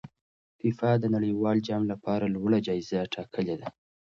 فیفا د نړیوال جام لپاره لوړه جایزه ټاکلې ده.